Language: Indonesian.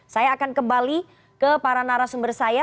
saya akan kembali ke para narasumber saya